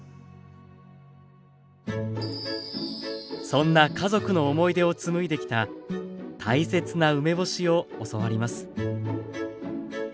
そんな家族の思い出を紡いできた大切な梅干しを教わります。